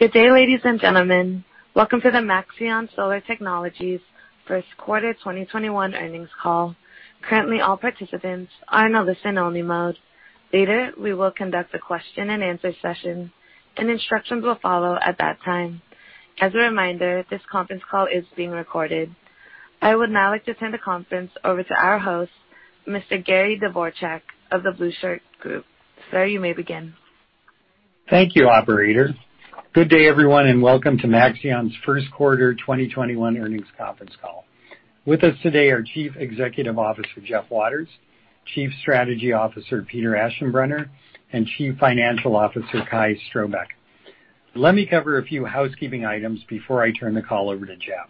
Good day, ladies and gentlemen. Welcome to the Maxeon Solar Technologies first quarter 2021 earnings call. Currently, all participants are in a listen-only mode. Later, we will conduct a question and answer session, and instructions will follow at that time. As a reminder, this conference call is being recorded. I would now like to turn the conference over to our host, Mr. Gary Dvorak of The Blueshirt Group. Sir, you may begin. Thank you, operator. Good day, everyone, and welcome to Maxeon's first quarter 2021 earnings conference call. With us today are Chief Executive Officer, Jeff Waters, Chief Strategy Officer, Peter Aschenbrenner, and Chief Financial Officer, Kai Strohbecke. Let me cover a few housekeeping items before I turn the call over to Jeff.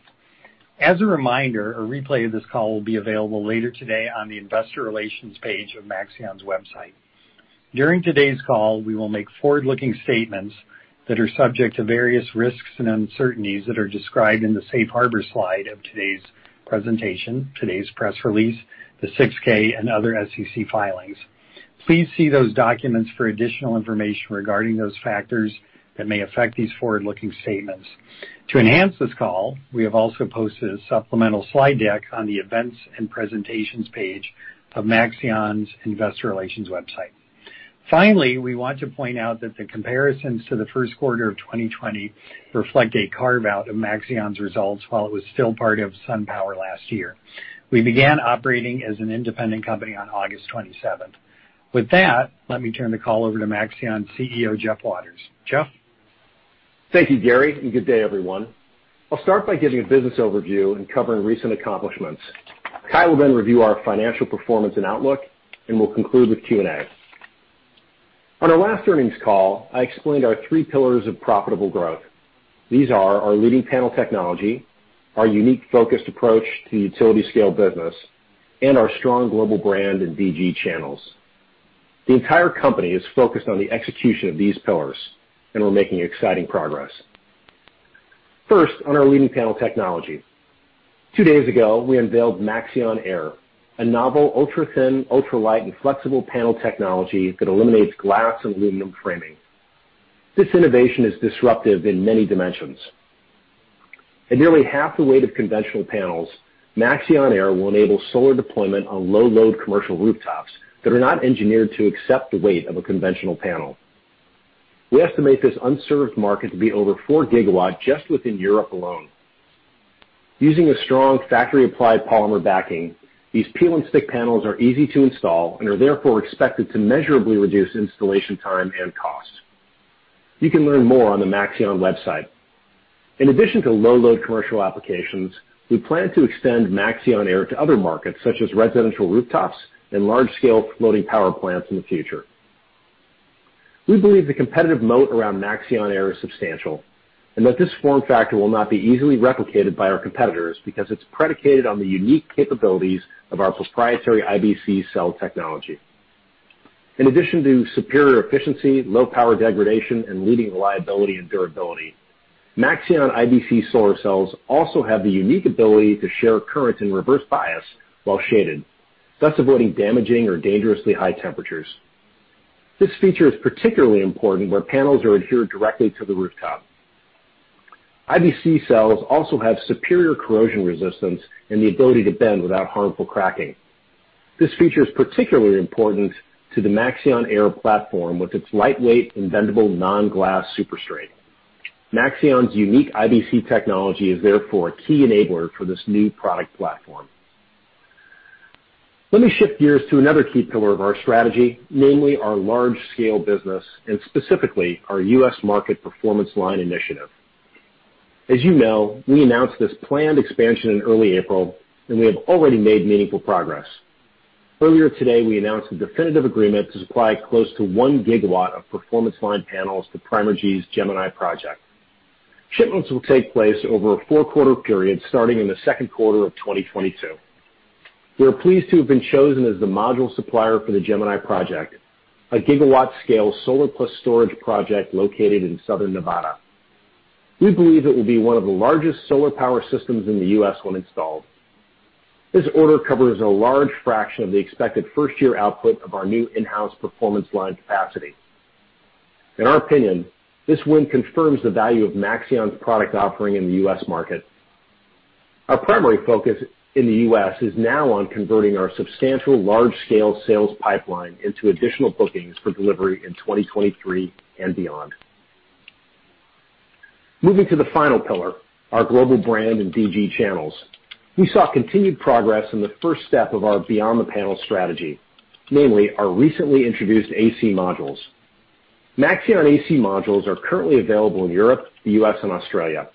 As a reminder, a replay of this call will be available later today on the investor relations page of Maxeon's website. During today's call, we will make forward-looking statements that are subject to various risks and uncertainties that are described in the safe harbor slide of today's presentation, today's press release, the 6-K, and other SEC filings. Please see those documents for additional information regarding those factors that may affect these forward-looking statements. To enhance this call, we have also posted a supplemental slide deck on the events and presentations page of Maxeon's investor relations website. Finally, we want to point out that the comparisons to the first quarter of 2020 reflect a carve-out of Maxeon's results while it was still part of SunPower last year. We began operating as an independent company on August 27th. With that, let me turn the call over to Maxeon CEO, Jeff Waters. Jeff? Thank you, Gary, and good day, everyone. I'll start by giving a business overview and covering recent accomplishments. Kai will then review our financial performance and outlook, and we'll conclude with Q&A. On our last earnings call, I explained our three pillars of profitable growth. These are our leading panel technology, our unique focused approach to utility scale business, and our strong global brand and DG channels. The entire company is focused on the execution of these pillars, and we're making exciting progress. First, on our leading panel technology. Two days ago, we unveiled Maxeon Air, a novel ultrathin, ultralight, and flexible panel technology that eliminates glass and aluminum framing. This innovation is disruptive in many dimensions. At nearly half the weight of conventional panels, Maxeon Air will enable solar deployment on low-load commercial rooftops that are not engineered to accept the weight of a conventional panel. We estimate this unserved market to be over four gigawatts just within Europe alone. Using a strong factory-applied polymer backing, these peel-and-stick panels are easy to install and are therefore expected to measurably reduce installation time and cost. You can learn more on the Maxeon website. In addition to low-load commercial applications, we plan to extend Maxeon Air to other markets such as residential rooftops and large-scale floating power plants in the future. We believe the competitive moat around Maxeon Air is substantial, and that this form factor will not be easily replicated by our competitors because it's predicated on the unique capabilities of our proprietary IBC cell technology. In addition to superior efficiency, low power degradation, and leading reliability and durability, Maxeon IBC solar cells also have the unique ability to share currents in reverse bias while shaded, thus avoiding damaging or dangerously high temperatures. This feature is particularly important where panels are adhered directly to the rooftop. IBC cells also have superior corrosion resistance and the ability to bend without harmful cracking. This feature is particularly important to the Maxeon Air platform, with its lightweight and bendable non-glass superstrate. Maxeon's unique IBC technology is therefore a key enabler for this new product platform. Let me shift gears to another key pillar of our strategy, namely our large-scale business, and specifically, our U.S. market Performance Line initiative. As you know, we announced this planned expansion in early April, and we have already made meaningful progress. Earlier today, we announced a definitive agreement to supply close to one gigawatt of Performance Line panels to Primergy's Gemini project. Shipments will take place over a four-quarter period starting in the second quarter of 2022. We are pleased to have been chosen as the module supplier for the Gemini project, a gigawatt-scale solar plus storage project located in southern Nevada. We believe it will be one of the largest solar power systems in the U.S. when installed. This order covers a large fraction of the expected first-year output of our new in-house Performance Line capacity. In our opinion, this win confirms the value of Maxeon's product offering in the U.S. market. Our primary focus in the U.S. is now on converting our substantial large-scale sales pipeline into additional bookings for delivery in 2023 and beyond. Moving to the final pillar, our global brand and DG channels. We saw continued progress in the first step of our Beyond the Panel strategy, namely our recently introduced AC modules. Maxeon AC modules are currently available in Europe, the U.S., and Australia.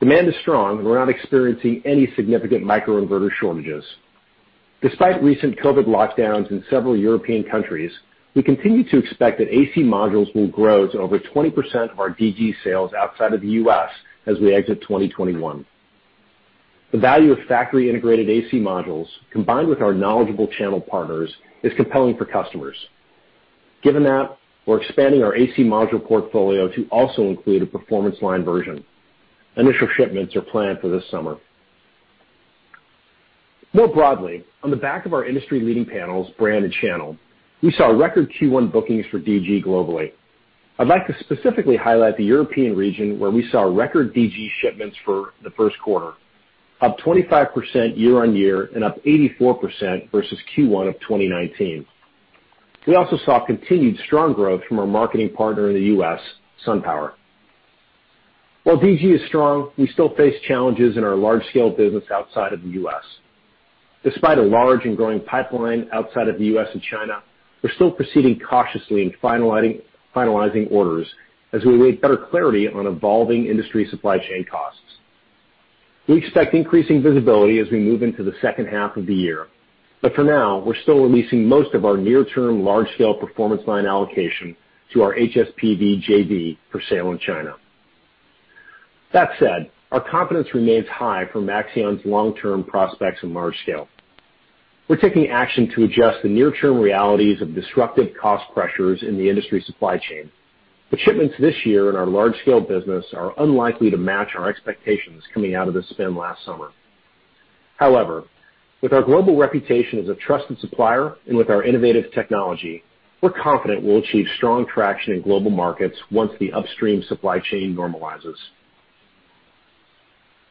Demand is strong. We're not experiencing any significant microinverter shortages. Despite recent COVID-19 lockdowns in several European countries, we continue to expect that AC modules will grow to over 20% of our DG sales outside of the U.S., as we exit 2021. The value of factory-integrated AC modules, combined with our knowledgeable channel partners, is compelling for customers. Given that, we're expanding our AC module portfolio to also include a Performance Line version. Initial shipments are planned for this summer. On the back of our industry-leading panels, brand, and channel, we saw record Q1 bookings for DG globally. I'd like to specifically highlight the European region, where we saw record DG shipments for the first quarter, up 25% year-on-year and up 84% versus Q1 of 2019. We also saw continued strong growth from our marketing partner in the U.S., SunPower. While DG is strong, we still face challenges in our large-scale business outside of the U.S. Despite a large and growing pipeline outside of the U.S. and China, we're still proceeding cautiously in finalizing orders as we await better clarity on evolving industry supply chain costs. For now, we're still releasing most of our near-term large-scale Performance Line allocation to our HSPV JV for sale in China. Our confidence remains high for Maxeon's long-term prospects in large-scale. We're taking action to adjust the near-term realities of disruptive cost pressures in the industry supply chain, but shipments this year in our large-scale business are unlikely to match our expectations coming out of the spin last summer. However, with our global reputation as a trusted supplier and with our innovative technology, we're confident we'll achieve strong traction in global markets once the upstream supply chain normalizes.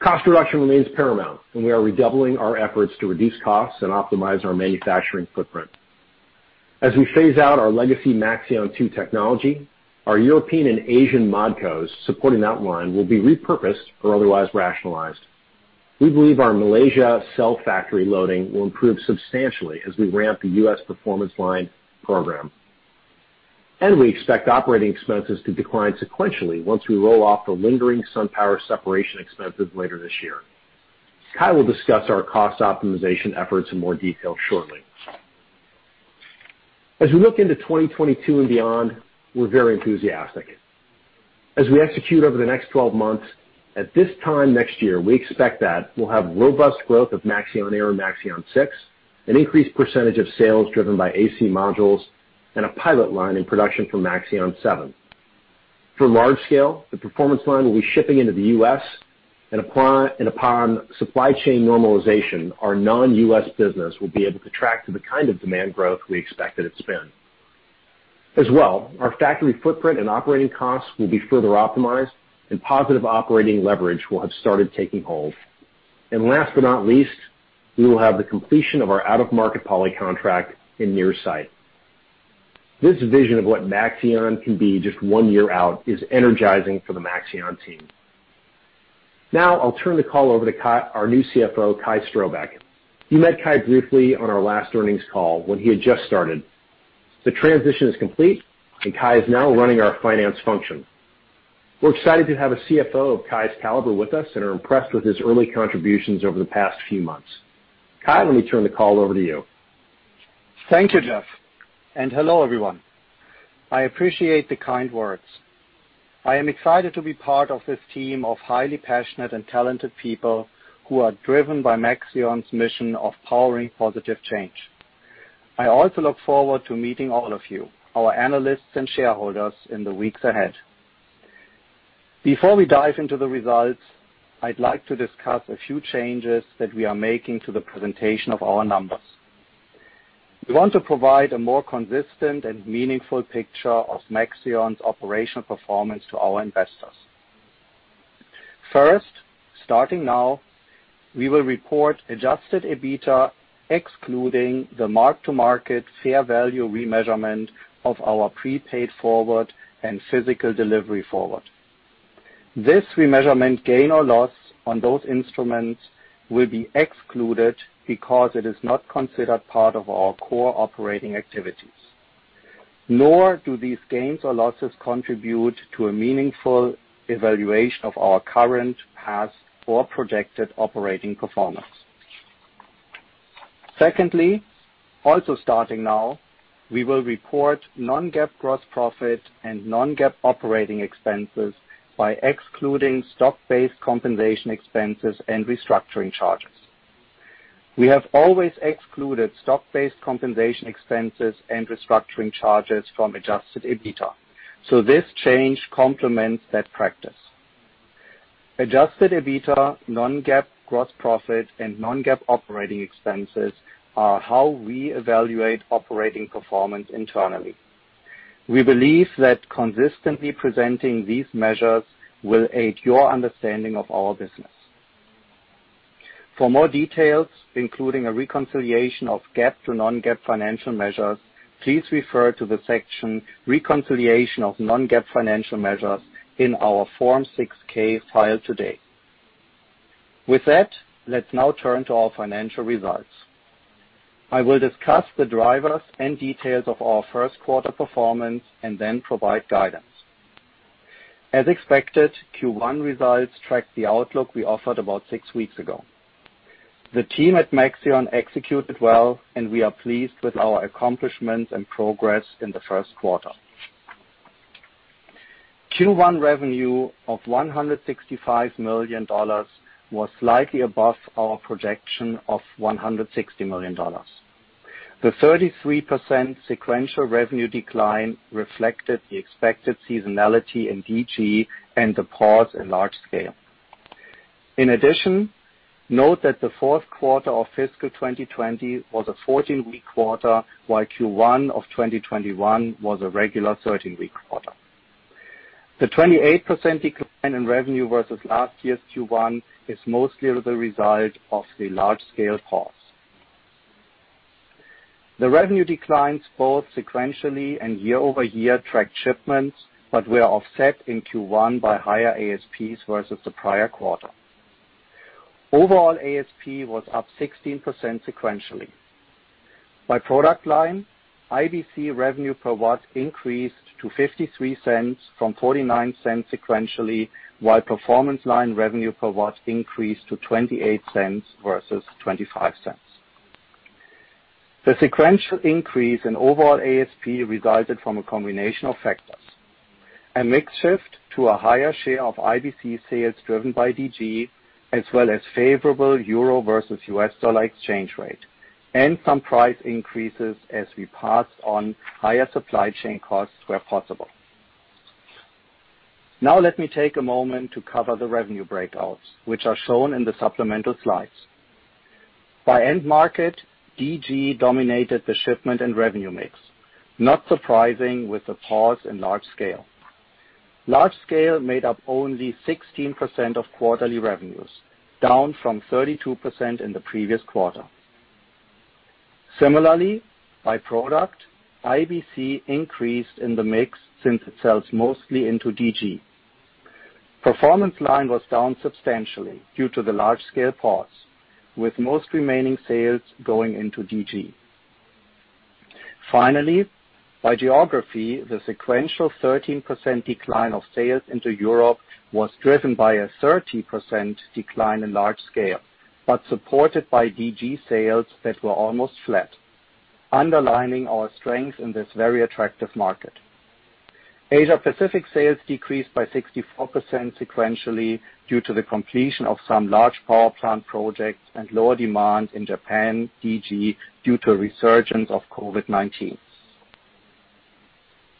Cost reduction remains paramount, and we are redoubling our efforts to reduce costs and optimize our manufacturing footprint. As we phase out our legacy Maxeon 2 technology, our European and Asian ModCos supporting that line will be repurposed or otherwise rationalized. We believe our Malaysia cell factory loading will improve substantially as we ramp the U.S. Performance Line program. We expect operating expenses to decline sequentially once we roll off the lingering SunPower separation expenses later this year. Kai will discuss our cost optimization efforts in more detail shortly. As we look into 2022 and beyond, we're very enthusiastic. As we execute over the next 12 months, at this time next year, we expect that we'll have robust growth of Maxeon Air and Maxeon 6, an increased percentage of sales driven by AC modules, and a pilot line in production for Maxeon 7. For large-scale, the Performance Line will be shipping into the U.S., and upon supply chain normalization, our non-U.S. business will be able to track to the kind of demand growth we expected at spin. Our factory footprint and operating costs will be further optimized, and positive operating leverage will have started taking hold. Last but not least, we will have the completion of our out-of-market poly contract in near sight. This vision of what Maxeon can be just one year out is energizing for the Maxeon team. I'll turn the call over to Kai, our new CFO, Kai Strohbecke. You met Kai briefly on our last earnings call when he had just started. The transition is complete, and Kai is now running our finance function. We're excited to have a CFO of Kai's caliber with us and are impressed with his early contributions over the past few months. Kai, let me turn the call over to you. Thank you, Jeff, and hello, everyone. I appreciate the kind words. I am excited to be part of this team of highly passionate and talented people who are driven by Maxeon's mission of powering positive change. I also look forward to meeting all of you, our analysts and shareholders, in the weeks ahead. Before we dive into the results, I'd like to discuss a few changes that we are making to the presentation of our numbers. We want to provide a more consistent and meaningful picture of Maxeon's operational performance to our investors. First, starting now, we will record adjusted EBITDA excluding the mark-to-market fair value remeasurement of our prepaid forward and physical delivery forward. This remeasurement gain or loss on those instruments will be excluded because it is not considered part of our core operating activities, nor do these gains or losses contribute to a meaningful evaluation of our current, past, or projected operating performance. Also starting now, we will record non-GAAP gross profit and non-GAAP operating expenses by excluding stock-based compensation expenses and restructuring charges. We have always excluded stock-based compensation expenses and restructuring charges from adjusted EBITDA, this change complements that practice. Adjusted EBITDA, non-GAAP gross profits, and non-GAAP operating expenses are how we evaluate operating performance internally. We believe that consistently presenting these measures will aid your understanding of our business. For more details, including a reconciliation of GAAP to non-GAAP financial measures, please refer to the section Reconciliation of Non-GAAP Financial Measures in our Form 6-K filed today. With that, let's now turn to our financial results. I will discuss the drivers and details of our first quarter performance and then provide guidance. As expected, Q1 results tracked the outlook we offered about six weeks ago. The team at Maxeon executed well, and we are pleased with our accomplishments and progress in the first quarter. Q1 revenue of $165 million was slightly above our projection of $160 million. The 33% sequential revenue decline reflected the expected seasonality in DG and the pause in large scale. In addition, note that the fourth quarter of fiscal 2020 was a 14-week quarter, while Q1 of 2021 was a regular 13-week quarter. The 28% decline in revenue versus last year's Q1 is mostly the result of the large scale pause. The revenue declines both sequentially and year-over-year track shipments, but were offset in Q1 by higher ASPs versus the prior quarter. Overall ASP was up 16% sequentially. By product line, IBC revenue per watt increased to $0.53 from $0.49 sequentially, while Performance Line revenue per watt increased to $0.28 versus $0.25. The sequential increase in overall ASP resulted from a combination of factors. A mix shift to a higher share of IBC sales driven by DG, as well as favorable euro versus US dollar exchange rate, and some price increases as we pass on higher supply chain costs where possible. Let me take a moment to cover the revenue breakouts, which are shown in the supplemental slides. By end market, DG dominated the shipment and revenue mix, not surprising with the pause in large scale. Large scale made up only 16% of quarterly revenues, down from 32% in the previous quarter. Similarly, by product, IBC increased in the mix since it sells mostly into DG. Performance Line was down substantially due to the large scale pause, with most remaining sales going into DG. Finally, by geography, the sequential 13% decline of sales into Europe was driven by a 13% decline in large scale, but supported by DG sales that were almost flat, underlining our strength in this very attractive market. Asia Pacific sales decreased by 64% sequentially due to the completion of some large power plant projects and lower demand in Japan DG due to resurgence of COVID-19.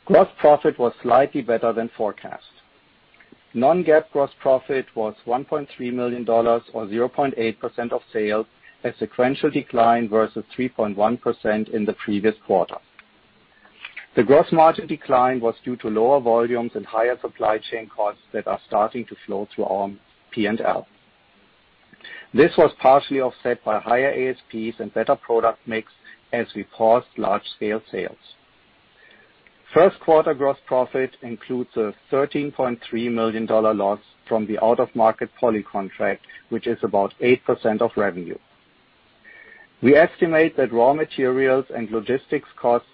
Gross profit was slightly better than forecast. non-GAAP gross profit was $1.3 million, or 0.8% of sales, a sequential decline versus 3.1% in the previous quarter. The gross margin decline was due to lower volumes and higher supply chain costs that are starting to flow through our P&L. This was partially offset by higher ASPs and better product mix as we paused large scale sales. First quarter gross profit includes a $13.3 million loss from the out-of-market poly contract, which is about 8% of revenue. We estimate that raw materials and logistics cost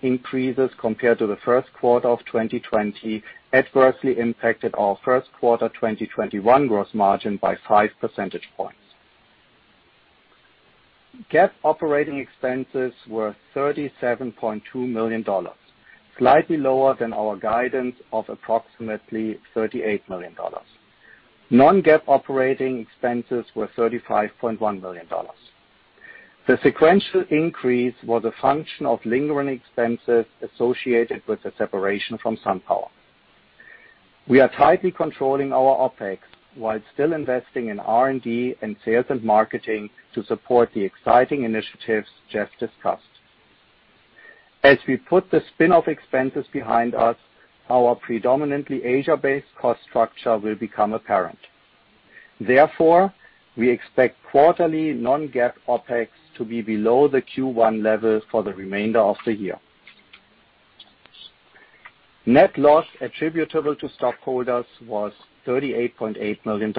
increases compared to the first quarter of 2020 adversely impacted our first quarter 2021 gross margin by five percentage points. GAAP operating expenses were $37.2 million, slightly lower than our guidance of approximately $38 million. Non-GAAP operating expenses were $35.1 million. The sequential increase was a function of lingering expenses associated with the separation from SunPower. We are tightly controlling our OPEX while still investing in R&D and sales and marketing to support the exciting initiatives Jeff discussed. As we put the spin-off expenses behind us, our predominantly Asia-based cost structure will become apparent. We expect quarterly non-GAAP OPEX to be below the Q1 level for the remainder of the year. Net loss attributable to stockholders was $38.8 million.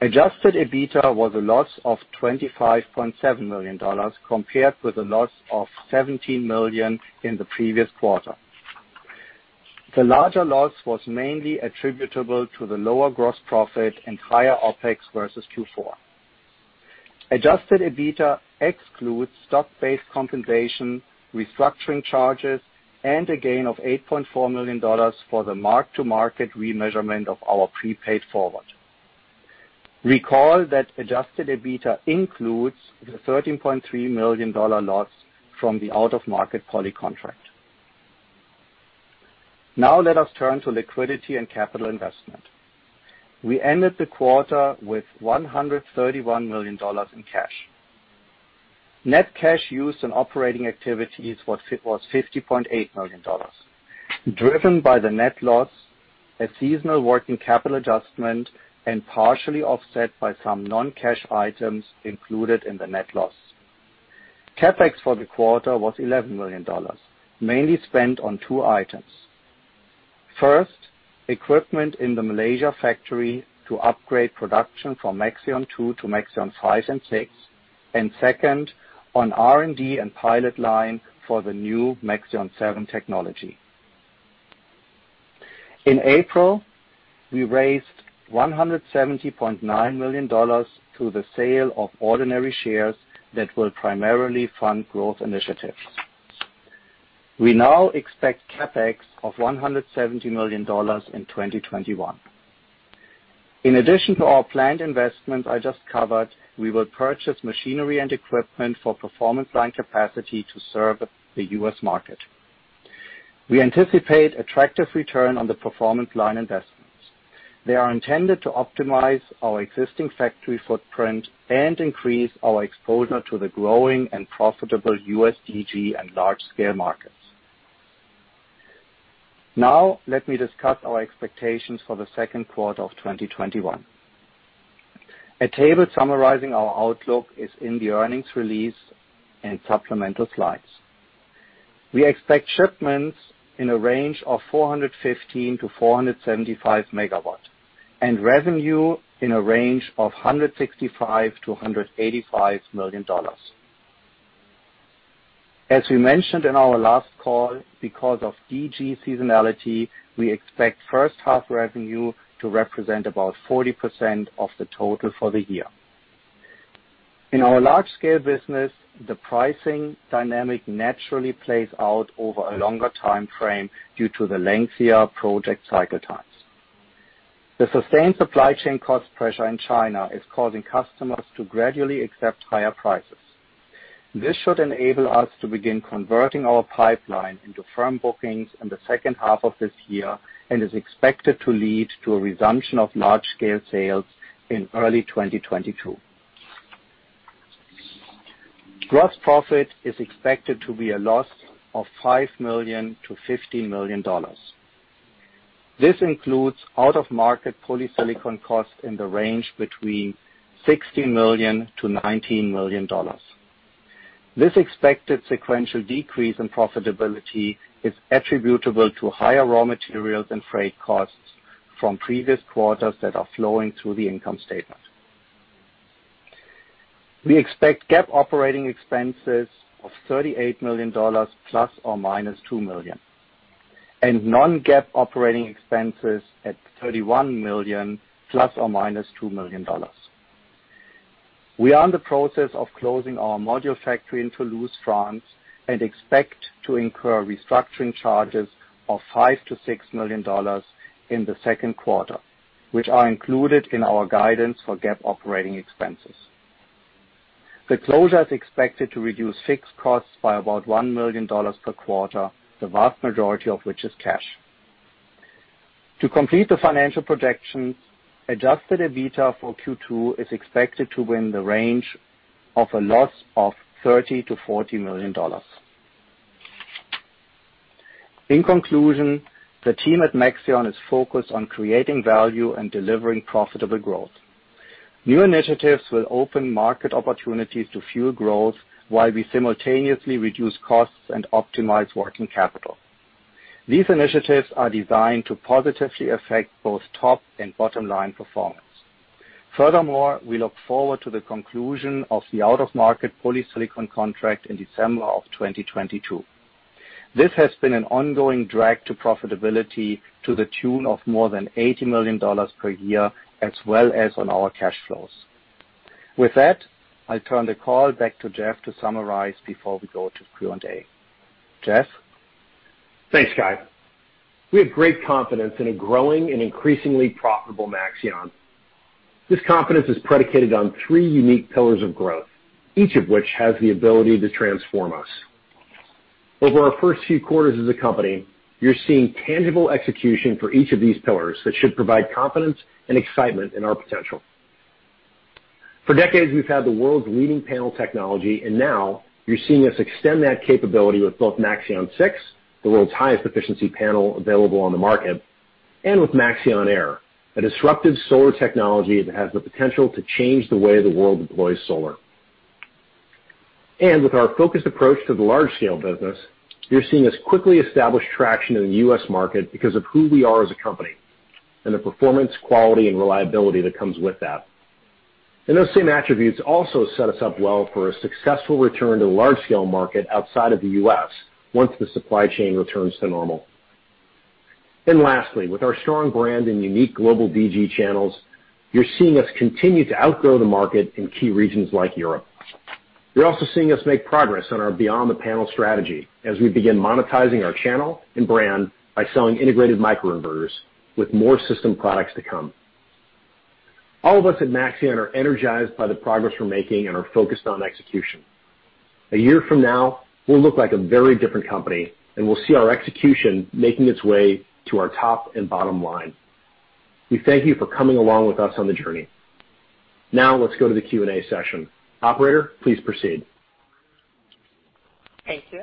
Adjusted EBITDA was a loss of $25.7 million, compared with a loss of $17 million in the previous quarter. The larger loss was mainly attributable to the lower gross profit and higher OPEX versus Q4. Adjusted EBITDA excludes stock-based compensation, restructuring charges, and a gain of $8.4 million for the mark-to-market remeasurement of our prepaid forward. Recall that adjusted EBITDA includes the $13.3 million loss from the out-of-market poly contract. Let us turn to liquidity and capital investment. We ended the quarter with $131 million in cash. Net cash used in operating activities was $50.8 million. Driven by the net loss, a seasonal working capital adjustment, and partially offset by some non-cash items included in the net loss. CapEx for the quarter was $11 million, mainly spent on two items. First, equipment in the Malaysia factory to upgrade production from Maxeon 2 to Maxeon 5 and 6, second on R&D and pilot line for the new Maxeon 7 technology. In April, we raised $170.9 million through the sale of ordinary shares that will primarily fund growth initiatives. We now expect CapEx of $170 million in 2021. In addition to our planned investment I just covered, we will purchase machinery and equipment for Performance Line capacity to serve the U.S. market. We anticipate attractive return on the Performance Line investments. They are intended to optimize our existing factory footprint and increase our exposure to the growing and profitable U.S. DG and large-scale markets. Let me discuss our expectations for the second quarter of 2021. A table summarizing our outlook is in the earnings release and supplemental slides. We expect shipments in a range of 415 MW-475 MW, and revenue in a range of $165 million-$185 million. As we mentioned in our last call, because of DG seasonality, we expect first half revenue to represent about 40% of the total for the year. In our large-scale business, the pricing dynamic naturally plays out over a longer timeframe due to the lengthier project cycle times. The sustained supply chain cost pressure in China is causing customers to gradually accept higher prices. This should enable us to begin converting our pipeline into firm bookings in the second half of this year, and is expected to lead to a resumption of large-scale sales in early 2022. Gross profit is expected to be a loss of $5 million-$15 million. This includes out-of-market polysilicon costs in the range between $60 million-$19 million. This expected sequential decrease in profitability is attributable to higher raw materials and freight costs from previous quarters that are flowing through the income statement. We expect GAAP operating expenses of $38 million ±$2 million, and non-GAAP operating expenses at $31 million ±$2 million. We are in the process of closing our module factory in Toulouse, France, and expect to incur restructuring charges of $5 million-$6 million in the second quarter, which are included in our guidance for GAAP operating expenses. The closure is expected to reduce fixed costs by about $1 million per quarter, the vast majority of which is cash. To complete the financial projections, adjusted EBITDA for Q2 is expected to be in the range of a loss of $30 million-$40 million. In conclusion, the team at Maxeon is focused on creating value and delivering profitable growth. New initiatives will open market opportunities to fuel growth, while we simultaneously reduce costs and optimize working capital. These initiatives are designed to positively affect both top and bottom line performance. Furthermore, we look forward to the conclusion of the out-of-market polysilicon contract in December of 2022. This has been an ongoing drag to profitability to the tune of more than $80 million per year, as well as on our cash flows. With that, I turn the call back to Jeff to summarize before we go to Q&A. Jeff? Thanks, Kai. We have great confidence in a growing and increasingly profitable Maxeon. This confidence is predicated on three unique pillars of growth, each of which has the ability to transform us. Over our first few quarters as a company, you're seeing tangible execution for each of these pillars that should provide confidence and excitement in our potential. For decades, we've had the world's leading panel technology, and now you're seeing us extend that capability with both Maxeon 6, the world's highest efficiency panel available on the market, and with Maxeon Air, a disruptive solar technology that has the potential to change the way the world deploys solar. With our focused approach to the large-scale business, you're seeing us quickly establish traction in the U.S. market because of who we are as a company, and the performance, quality, and reliability that comes with that. Those same attributes also set us up well for a successful return to large-scale market outside of the U.S., once the supply chain returns to normal. Lastly, with our strong brand and unique global DG channels, you're seeing us continue to outgrow the market in key regions like Europe. You're also seeing us make progress on our Beyond the Panel strategy, as we begin monetizing our channel and brand by selling integrated microinverters, with more system products to come. All of us at Maxeon are energized by the progress we're making and are focused on execution. A year from now, we'll look like a very different company, and we'll see our execution making its way to our top and bottom line. We thank you for coming along with us on the journey. Let's go to the Q&A session. Operator, please proceed. Thank you.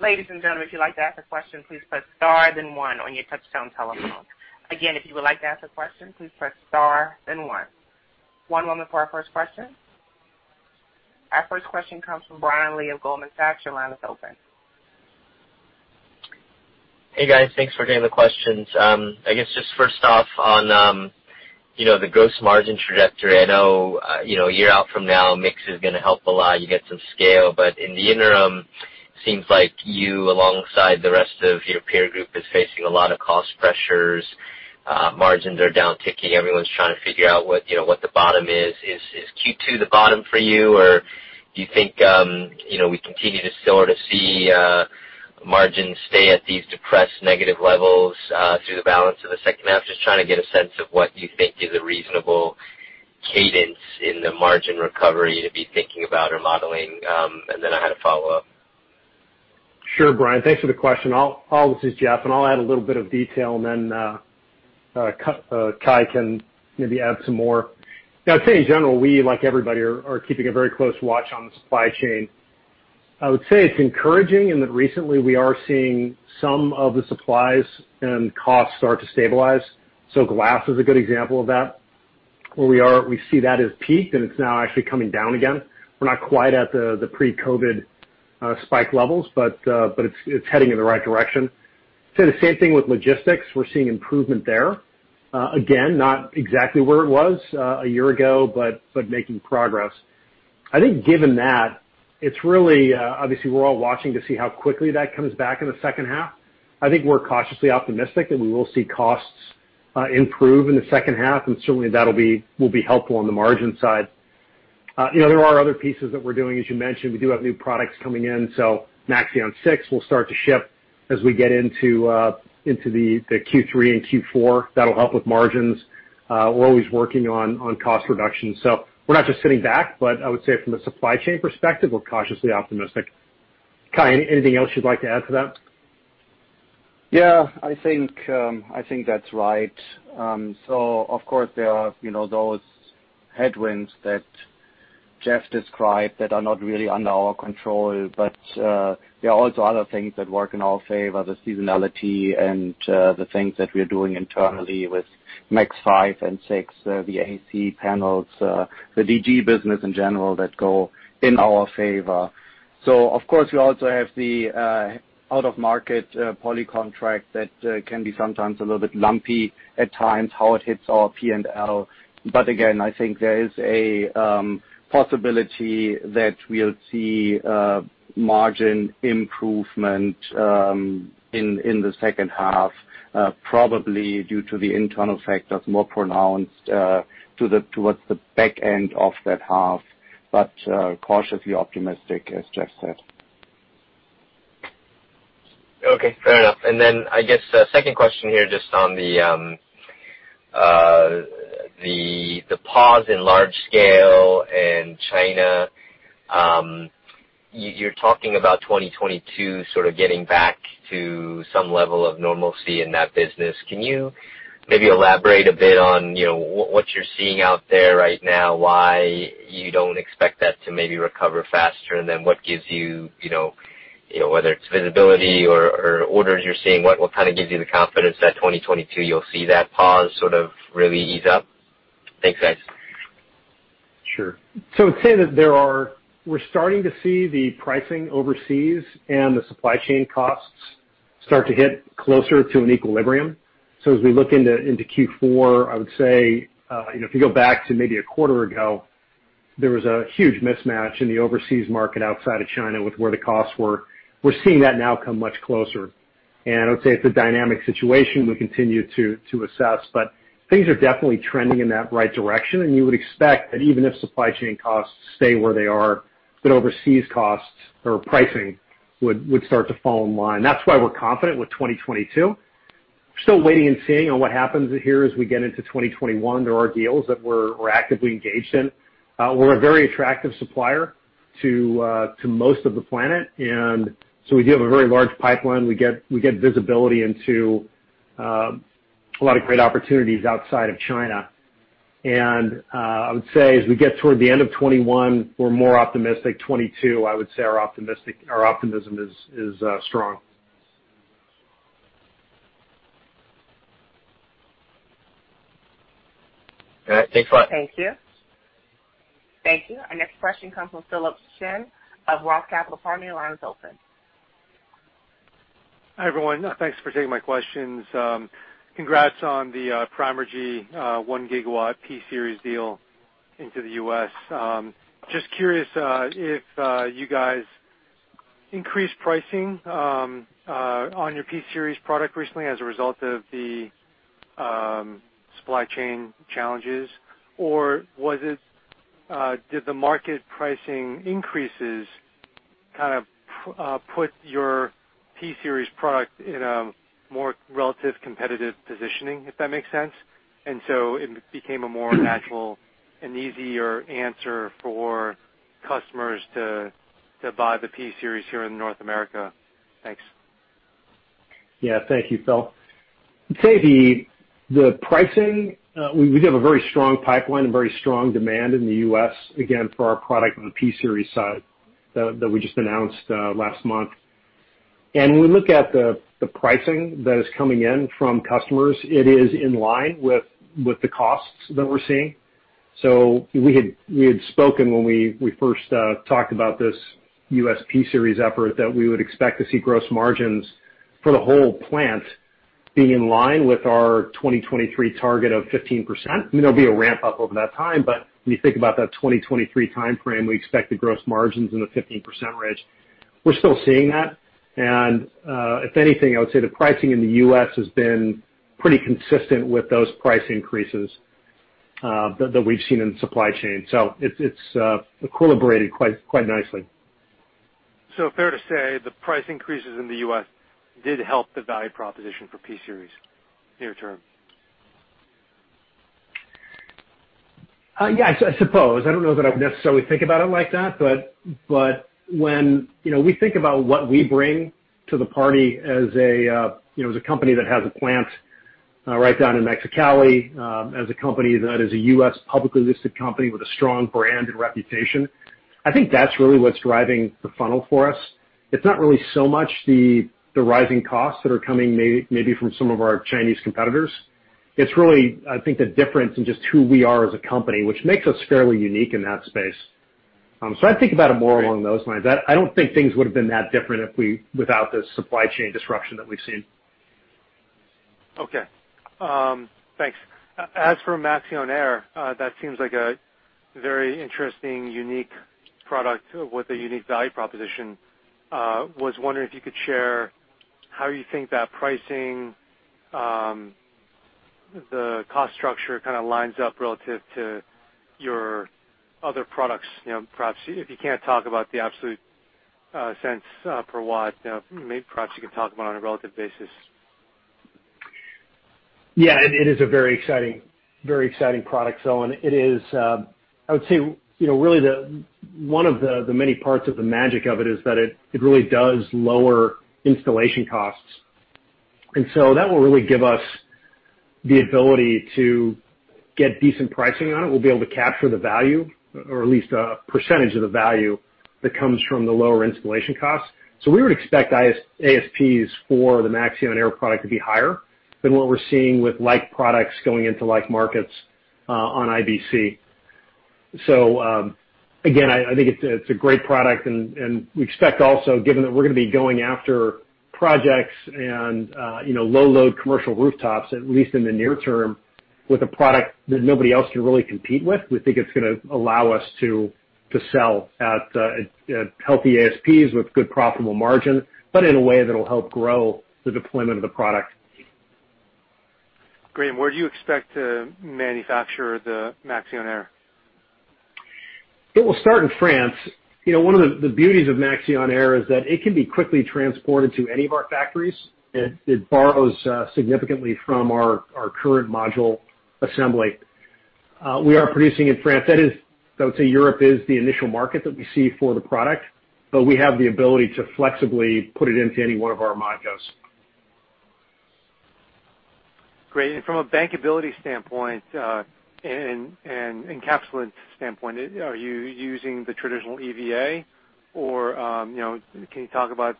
Ladies and gentlemen. If you'd like to ask a question please press star then one on your touch tone telephone. Again, if you'd like to ask a question press star then one. One for our first question. Our first question comes from Brian Lee of Goldman Sachs. Hey, guys. Thanks for taking the questions. I guess just first off on the gross margin trajectory, I know year out from now, mix is going to help a lot. You get some scale. In the interim, seems like you, alongside the rest of your peer group, is facing a lot of cost pressures. Margins are down ticking. Everyone's trying to figure out what the bottom is. Is Q2 the bottom for you, or do you think we continue to sort of see margins stay at these depressed negative levels through the balance of the second half? Just trying to get a sense of what you think is a reasonable cadence in the margin recovery to be thinking about or modeling. Then I had a follow-up. Sure, Brian. Thanks for the question. This is Jeff, and I'll add a little bit of detail and then Kai can maybe add some more. I'd say in general, we, like everybody, are keeping a very close watch on the supply chain. I would say it's encouraging in that recently we are seeing some of the supplies and costs start to stabilize. Glass is a good example of that, where we see that as peaked, and it's now actually coming down again. We're not quite at the pre-COVID spike levels, but it's heading in the right direction. I'd say the same thing with logistics. We're seeing improvement there. Again, not exactly where it was a year ago, but making progress. I think given that, it's really, obviously, we're all watching to see how quickly that comes back in the second half. I think we're cautiously optimistic that we will see costs improve in the second half, and certainly that will be helpful on the margin side. There are other pieces that we're doing, as you mentioned, we do have new products coming in. Maxeon 6 will start to ship as we get into the Q3 and Q4. That'll help with margins. We're always working on cost reduction. We're not just sitting back, but I would say from a supply chain perspective, we're cautiously optimistic. Kai, anything else you'd like to add to that? Yeah, I think that's right. Of course, there are those headwinds that Jeff described that are not really under our control, there are also other things that work in our favor, the seasonality and the things that we're doing internally with Max 5 and 6, the AC modules, the DG business in general that go in our favor. Of course, you also have the out-of-market poly contract that can be sometimes a little bit lumpy at times, how it hits our P&L. Again, I think there is a possibility that we'll see margin improvement in the second half probably due to the internal factors more pronounced towards the back end of that half, but cautiously optimistic as Jeff said. Okay, fair enough. I guess the second question here, just on the pause in large scale and China. You're talking about 2022 sort of getting back to some level of normalcy in that business. Can you maybe elaborate a bit on what you're seeing out there right now, why you don't expect that to maybe recover faster? What gives you, whether it's visibility or orders you're seeing, what kind of gives you the confidence that 2022 you'll see that pause sort of really ease up? Thanks, guys. Sure. I'd say that we're starting to see the pricing overseas and the supply chain costs start to hit closer to an equilibrium. As we look into Q4, I would say, if you go back to maybe a quarter ago, there was a huge mismatch in the overseas market outside of China with where the costs were. We're seeing that now come much closer. I would say it's a dynamic situation we continue to assess, but things are definitely trending in that right direction. You would expect that even if supply chain costs stay where they are, that overseas costs or pricing would start to fall in line. That's why we're confident with 2022. We're still waiting and seeing on what happens here as we get into 2021. There are deals that we're actively engaged in. We're a very attractive supplier to most of the planet. We have a very large pipeline. We get visibility into a lot of great opportunities outside of China. I would say as we get toward the end of 2021, we're more optimistic. 2022, I would say our optimism is strong. All right. Thanks a lot. Thank you. Thank you. Our next question comes from Philip Shen of Roth Capital Partners. Your line is open. Hi, everyone. Thanks for taking my questions. Congrats on the Primergy 1 GW P-series deal into the U.S. Just curious if you guys increased pricing on your P-series product recently as a result of the supply chain challenges, or did the market pricing increases kind of put your P-series product in a more relative competitive positioning, if that makes sense? It became a more natural and easier answer for customers to buy the P-series here in North America. Thanks. Thank you, Phil. I'd say the pricing, we have a very strong pipeline, very strong demand in the U.S., again, for our product on the P-series side that we just announced last month. We look at the pricing that is coming in from customers, it is in line with the costs that we're seeing. We had spoken when we first talked about this U.S. P-series effort that we would expect to see gross margins for the whole plant be in line with our 2023 target of 15%. There'll be a ramp-up over that time, we think about that 2023 timeframe, we expect the gross margins in the 15% range. We're still seeing that. If anything, I would say the pricing in the U.S. has been pretty consistent with those price increases that we've seen in supply chain. It's equilibrated quite nicely. Fair to say, the price increases in the U.S. did help the value proposition for P-series near-term. I suppose. I don't know that I would necessarily think about it like that, but when we think about what we bring to the party as a company that has a plant right down in Mexicali, as a company that is a U.S. publicly listed company with a strong brand reputation, I think that's really what's driving the funnel for us. It's not really so much the rising costs that are coming maybe from some of our Chinese competitors. It's really, I think, the difference in just who we are as a company, which makes us fairly unique in that space. I think about it more along those lines. I don't think things would've been that different without the supply chain disruption that we've seen. Okay. Thanks. As for Maxeon Air, that seems like a very interesting, unique product with a unique value proposition. I was wondering if you could share how you think that pricing, the cost structure lines up relative to your other products, perhaps if you can't talk about the absolute sense for watt, maybe perhaps you can talk about it on a relative basis. It is a very exciting product. I would say, really one of the many parts of the magic of it is that it really does lower installation costs. That will really give us the ability to get decent pricing on it. We'll be able to capture the value or at least a percentage of the value that comes from the lower installation costs. We would expect ASPs for the Maxeon Air product to be higher than what we're seeing with like products going into like markets on IBC. Again, I think it's a great product, and we expect also, given that we're going to be going after projects and low load commercial rooftops, at least in the near term, with a product that nobody else can really compete with. We think it's going to allow us to sell at healthy ASPs with good profitable margin, but in a way that'll help grow the deployment of the product. Great. Where do you expect to manufacture the Maxeon Air? It will start in France. One of the beauties of Maxeon Air is that it can be quickly transported to any of our factories. It borrows significantly from our current module assembly. We are producing in France. That is, I would say Europe is the initial market that we see for the product, but we have the ability to flexibly put it into any one of our modules. Great. From a bankability standpoint, and encapsulant standpoint, are you using the traditional EVA or can you talk about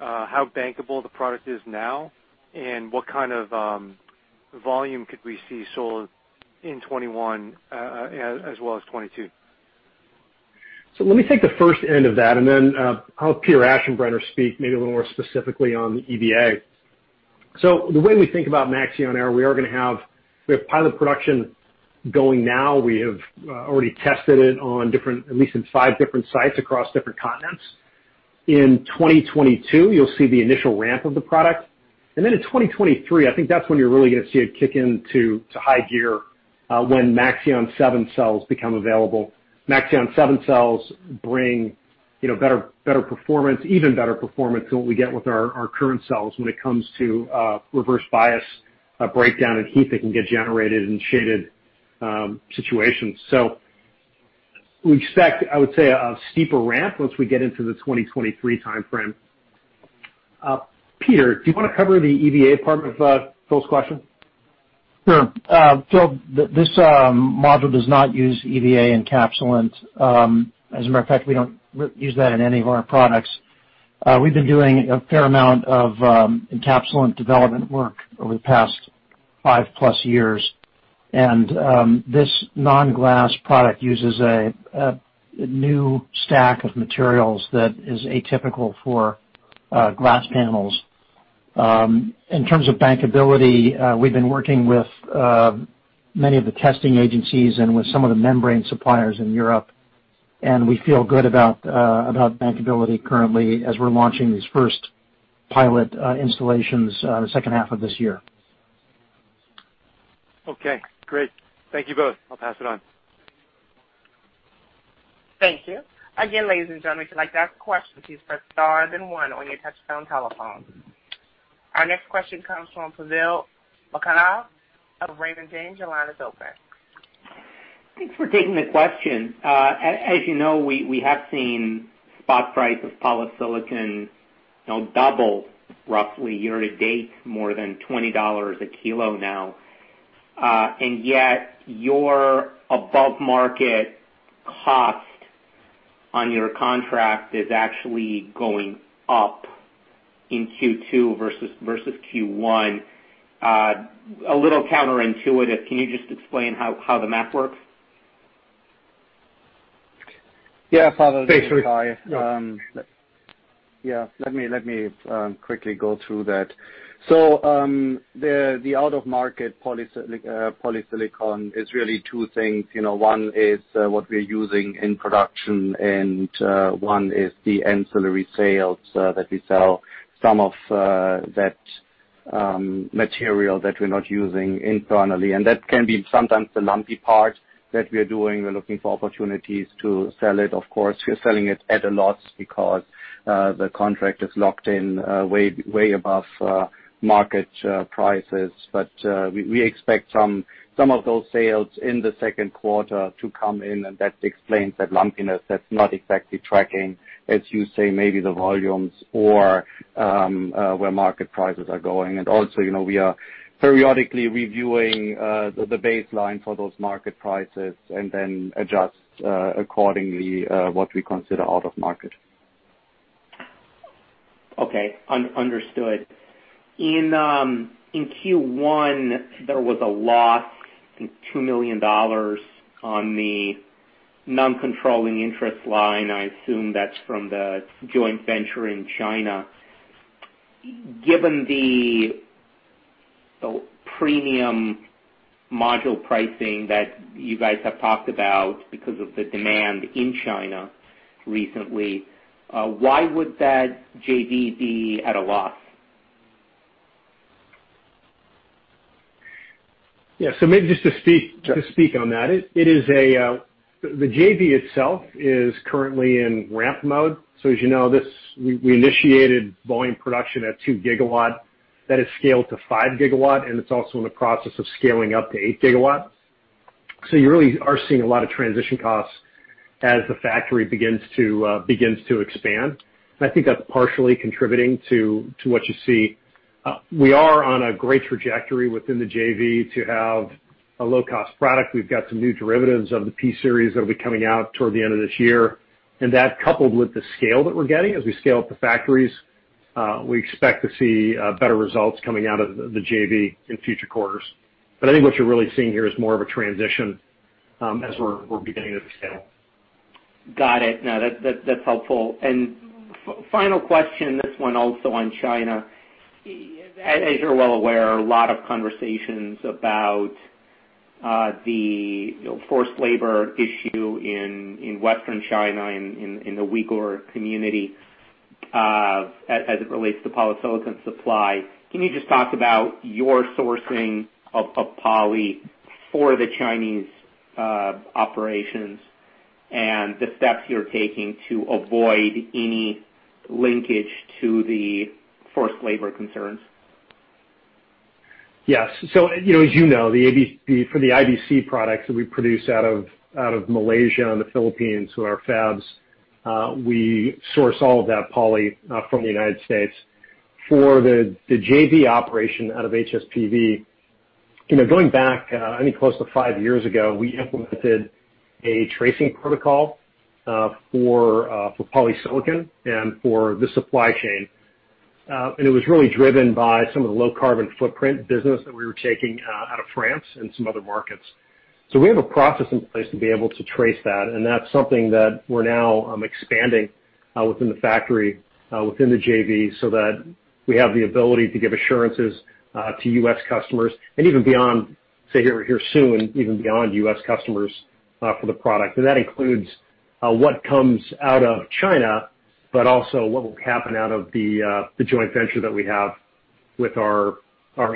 how bankable the product is now and what kind of volume could we see sold in 2021, as well as 2022? Let me take the first end of that, and then I'll have Peter Aschenbrenner speak maybe a little more specifically on the EVA. The way we think about Maxeon Air, we have pilot production going now. We have already tested it on at least five different sites across different continents. In 2022, you'll see the initial ramp of the product, and then in 2023, I think that's when you're really going to see it kick into high gear, when Maxeon 7 cells become available. Maxeon 7 cells bring even better performance than what we get with our current cells when it comes to reverse bias breakdown and heat that can get generated in shaded situations. We expect, I would say, a steeper ramp once we get into the 2023 timeframe. Peter, do you want to cover the EVA part of Phil's question? Sure. Phil, this module does not use EVA encapsulant. As a matter of fact, we don't use that in any of our products. We've been doing a fair amount of encapsulant development work over the past five plus years, and this non-glass product uses a new stack of materials that is atypical for glass panels. In terms of bankability, we've been working with many of the testing agencies and with some of the membrane suppliers in Europe, and we feel good about bankability currently as we're launching these first pilot installations second half of this year. Okay, great. Thank you both. I'll pass it on. Thank you. Again, ladies and gentlemen, if you'd like to ask questions, please press star then one when you touch tone telephone. Our next question comes from Pavel Molchanov of Raymond James. Your line is open. Thanks for taking the question. As you know, we have seen spot price of polysilicon double roughly year to date, more than $20 a kilo now. Yet your above-market cost on your contract is actually going up in Q2 versus Q1. A little counterintuitive. Can you just explain how the math works? Yeah. Pavel, this is Kai. Sure. Yeah. Let me quickly go through that. The out of market polysilicon is really two things. One is what we're using in production, and one is the ancillary sales that we sell some of that. Material that we're not using internally, and that can be sometimes the lumpy part that we are doing. We're looking for opportunities to sell it. Of course, we're selling it at a loss because the contract is locked in way above market prices. We expect some of those sales in the second quarter to come in, and that explains that lumpiness that's not exactly tracking, as you say, maybe the volumes or where market prices are going. Also, we are periodically reviewing the baseline for those market prices and then adjust accordingly what we consider out of market. Okay, understood. In Q1, there was a loss of $2 million on the non-controlling interest line. I assume that's from the joint venture in China. Given the premium module pricing that you guys have talked about because of the demand in China recently, why would that JV be at a loss? Yeah. Maybe just to speak on that, the JV itself is currently in ramp mode. As you know, we initiated volume production at 2 GW. That has scaled to 5 GW, and it's also in the process of scaling up to 8 GW. You really are seeing a lot of transition costs as the factory begins to expand, and I think that's partially contributing to what you see. We are on a great trajectory within the JV to have a low-cost product. We've got some new derivatives of the P-series that'll be coming out toward the end of this year, and that coupled with the scale that we're getting as we scale up the factories, we expect to see better results coming out of the JV in future quarters. I think what you're really seeing here is more of a transition, as we're beginning to scale. Got it. No, that's helpful. Final question, this one also on China. As you're well aware, a lot of conversations about the forced labor issue in Western China, in the Uyghur community, as it relates to polysilicon supply. Can you just talk about your sourcing of poly for the Chinese operations and the steps you're taking to avoid any linkage to the forced labor concerns? Yes. As you know, for the IBC products that we produce out of Malaysia and the Philippines, so our fabs, we source all of that poly from the U.S. For the JV operation out of HSPV, going back I think close to five years ago, we implemented a tracing protocol for polysilicon and for the supply chain. It was really driven by some of the low carbon footprint business that we were taking out of France and some other markets. We have a process in place to be able to trace that, and that's something that we're now expanding within the factory, within the JV, so that we have the ability to give assurances to U.S. customers, and even beyond, say, here soon, even beyond U.S. customers for the product. That includes what comes out of China, but also what will happen out of the joint venture that we have with our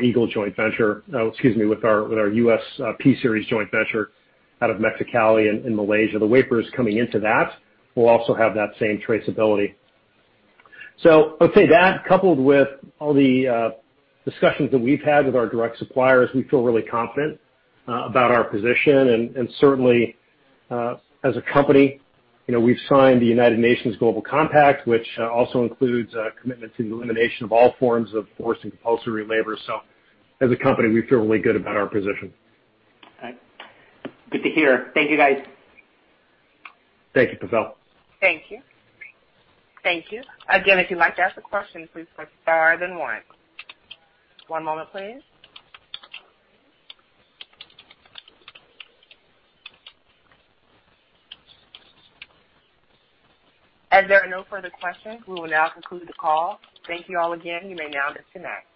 Eagle joint venture, excuse me, with our U.S. P-series joint venture out of Mexicali and in Malaysia. The wafers coming into that will also have that same traceability. I'd say that coupled with all the discussions that we've had with our direct suppliers, we feel really confident about our position. Certainly, as a company, we've signed the United Nations Global Compact, which also includes a commitment to the elimination of all forms of forced and compulsory labor. As a company, we feel really good about our position. Good to hear. Thank you, guys. Thank you, Pavel. Thank you. Thank you. Again, if you'd like to ask a question, please press star then one. One moment, please. As there are no further questions, we will now conclude the call. Thank you all again. You may now disconnect.